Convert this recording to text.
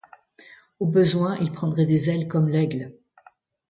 Au besoin, il prendrait des ailes comme l’aigle !